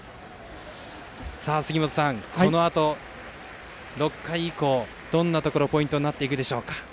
さあ、杉本さん、このあと６回以降、どんなところがポイントになっていくでしょうか。